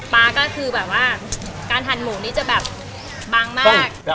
ปลาก็คือแบบว่าการหั่นหมูนี่จะแบบบางมาก